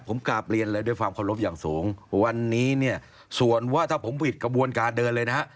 ผมกราบเรียนเลยด้วยความเคารพอย่างสูงวันนี้เนี่ยส่วนว่าถ้าผมผิดกระบวนการเดินเลยนะฮะ